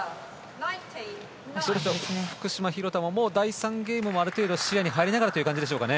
福島、廣田も第３ゲームもある程度視野に入りながらという感じでしょうかね。